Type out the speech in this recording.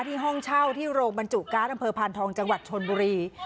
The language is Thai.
ห้องเช่าที่โรงบรรจุการ์ดอำเภอพานทองจังหวัดชนบุรี